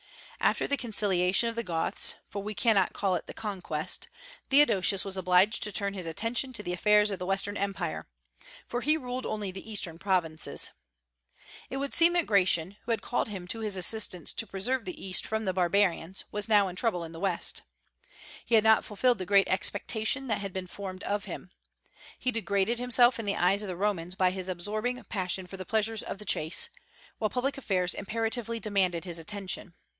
After the conciliation of the Goths, for we cannot call it the conquest, Theodosius was obliged to turn his attention to the affairs of the Western Empire; for he ruled only the Eastern provinces. It would seem that Gratian, who had called him to his assistance to preserve the East from the barbarians, was now in trouble in the West. He had not fulfilled the great expectation that had been formed of him. He degraded himself in the eyes of the Romans by his absorbing passion for the pleasures of the chase; while public affairs imperatively demanded his attention.